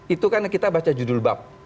itu karena kita baca judul bab